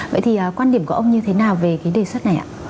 vậy thì quan điểm của ông như thế nào về cái đề xuất này ạ